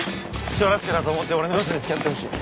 人助けだと思って俺の嘘に付き合ってほしい。